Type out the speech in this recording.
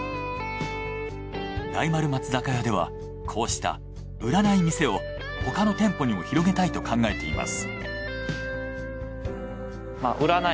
大丸松坂屋ではこうした売らない店を他の店舗にも広げたいと考えています。